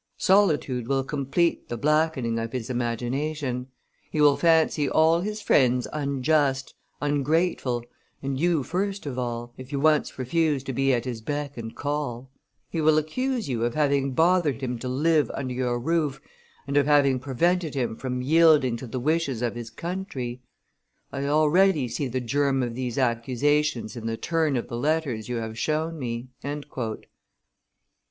Solitude will complete the blackening of his imagination; he will fancy all his friends unjust, ungrateful, and you first of all, if you once refuse to be at his beck and call; he will accuse you of having bothered him to live under your roof and of having prevented him from yielding to the wishes of his country. I already see the germ of these accusations in the turn of the letters you have shown me."